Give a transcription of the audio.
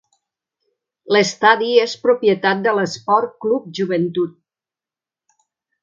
L'estadi és propietat de l'Esporte Clube Juventude.